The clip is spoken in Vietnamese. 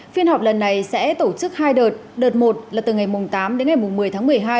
phiên họp lần này sẽ tổ chức hai đợt đợt một là từ ngày tám đến ngày một mươi tháng một mươi hai